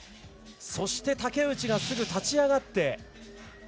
そして、竹内がすぐ立ち上がって。